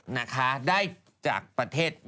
นะคะได้จากประเทศ